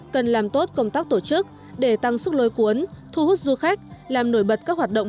cần làm tốt công tác tổ chức để tăng sức lôi cuốn thu hút du khách làm nổi bật các hoạt động